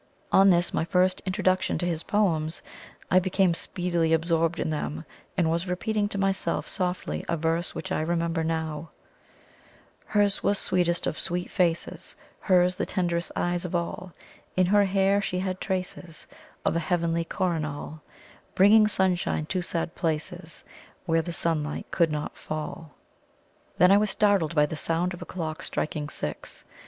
On this, my first introduction to his poems, I became speedily absorbed in them, and was repeating to myself softly a verse which I remember now: "Hers was sweetest of sweet faces, Hers the tenderest eyes of all; In her hair she had the traces Of a heavenly coronal, Bringing sunshine to sad places Where the sunlight could not fall." Then I was startled by the sound of a clock striking six.